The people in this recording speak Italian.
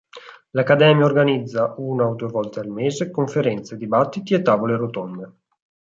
L'Accademia organizza, una o due volte al mese, conferenze, dibattiti e tavole rotonde.